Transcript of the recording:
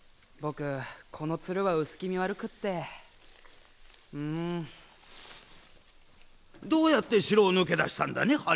僕この蔓は薄気味悪くってうんどうやって城を抜け出したんだね？